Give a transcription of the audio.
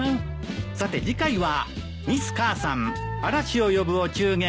さて次回は。